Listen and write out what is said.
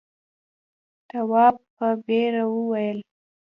تواب په بېره وویل.